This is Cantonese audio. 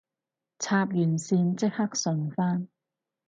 插完線即刻順返